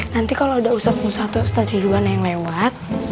nanti kalo ada ustadz ustadz atau ustadz ridwan yang lewat